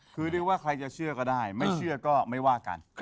คือเรียกว่าใครจะเชื่อก็ได้ไม่เชื่อก็ไม่ว่ากัน